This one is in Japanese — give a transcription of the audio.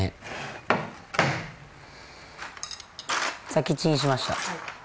さっきチンしました。